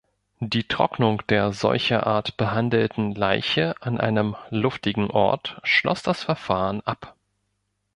Die Trocknung der solcherart behandelten Leiche an einem luftigen Ort schloss das Verfahren ab.